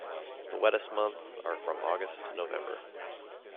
The wettest months are from August to November.